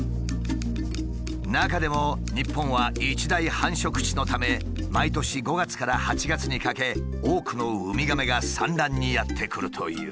中でも日本は一大繁殖地のため毎年５月から８月にかけ多くのウミガメが産卵にやって来るという。